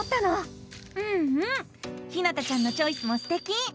うんうんひなたちゃんのチョイスもすてき！